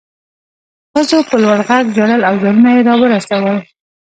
ښځو په لوړ غږ ژړل او ځانونه یې راورسول